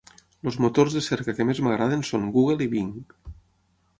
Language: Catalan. Els motors de cerca que més m'agraden són Google i Bing.